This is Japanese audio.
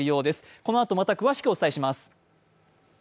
このあと、また詳しくお伝えします